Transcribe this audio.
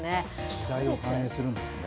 時代を反映するんですね。